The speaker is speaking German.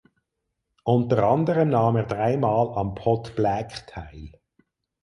Unter anderem nahm er dreimal am Pot Black teil.